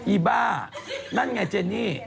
อีบ้านั่นไงเจนี่